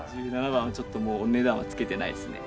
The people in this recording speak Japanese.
１７番はちょっともうお値段はつけてないですね。